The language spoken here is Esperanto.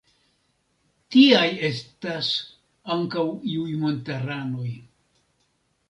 Tiaj estas ankaŭ iuj montaranoj.